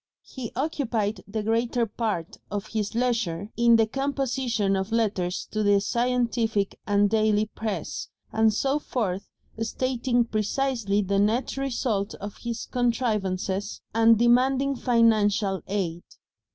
He occupied the greater part of his leisure in the composition of letters to the scientific and daily press, and so forth, stating precisely the net result of his contrivances, and demanding financial aid.